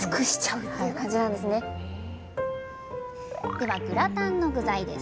ではグラタンの具材です。